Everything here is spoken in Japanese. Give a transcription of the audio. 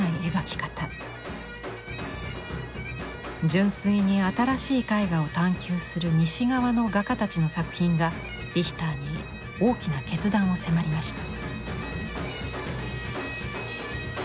純粋に新しい絵画を探求する西側の画家たちの作品がリヒターに大きな決断を迫りました。